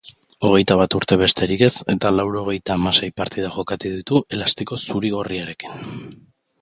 Hogeita bat urte besterik ez eta laurogeita hamasei partida jokatu ditu elastiko zuri-gorriarekin.